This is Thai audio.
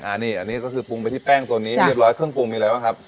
อันนี้อันนี้ก็คือปรุงไปที่แป้งตัวนี้เรียบร้อยเครื่องปรุงมีอะไรบ้างครับ